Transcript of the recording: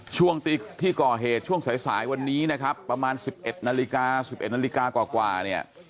ช่วงที่ก่อเหตุช่วงสายวันนี้นะครับประมาณ๑๑นาฬิกา๑๑นาฬิกากว่าเนี่ย